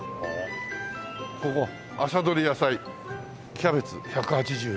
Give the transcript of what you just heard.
ここ朝どり野菜キャベツ１８０円。